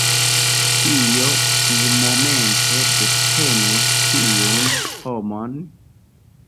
Kio tiumomente detenus tiun homon?